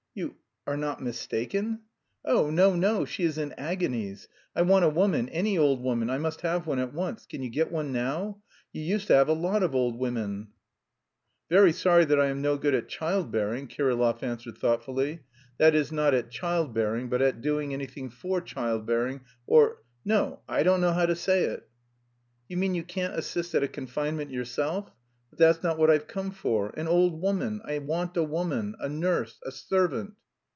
"You... are not mistaken?" "Oh, no, no, she is in agonies! I want a woman, any old woman, I must have one at once.... Can you get one now? You used to have a lot of old women...." "Very sorry that I am no good at childbearing," Kirillov answered thoughtfully; "that is, not at childbearing, but at doing anything for childbearing... or... no, I don't know how to say it." "You mean you can't assist at a confinement yourself? But that's not what I've come for. An old woman, I want a woman, a nurse, a servant!"